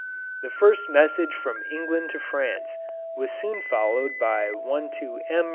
The first message from England to France was soon followed by one to M.